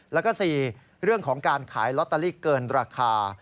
แล้วก็๔เรื่องของการขายลอตเตอรี่เกินราคา